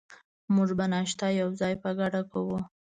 موږ به ناشته یوځای په ګډه کوو.